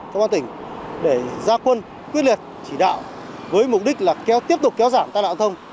công an tỉnh để ra quân quyết liệt chỉ đạo với mục đích là tiếp tục kéo giảm tai nạn thông